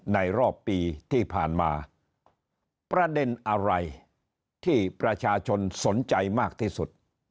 ในรอบปีที่ผ่านมาประเด็นอะไรที่ประชาชนสนใจมากที่สุด